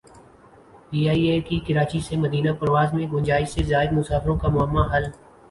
P I A کی کراچی سے مدینہ پرواز میں گنجائش سے زائد مسافروں کا معمہ حل